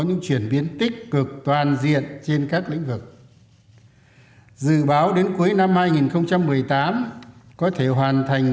những chuyển biến tích cực toàn diện trên các lĩnh vực dự báo đến cuối năm hai nghìn một mươi tám có thể hoàn thành